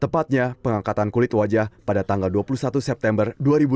tepatnya pengangkatan kulit wajah pada tanggal dua puluh satu september dua ribu dua puluh